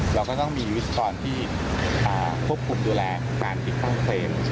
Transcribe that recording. เราก็ต้องมีวิศกรที่ควบคุมดูแลการติดตั้งเครม